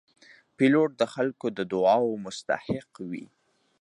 پیلوټ د خلکو د دعاو مستحق وي.